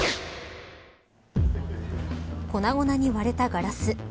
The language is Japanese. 粉々に割れたガラス。